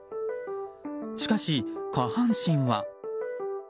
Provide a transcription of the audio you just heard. しかし、下半身は。